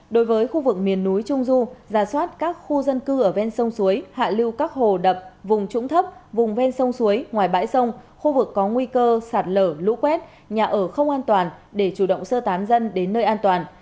đối với khu vực miền núi trung du giả soát các khu dân cư ở ven sông suối hạ lưu các hồ đập vùng trũng thấp vùng ven sông suối ngoài bãi sông khu vực có nguy cơ sạt lở lũ quét nhà ở không an toàn để chủ động sơ tán dân đến nơi an toàn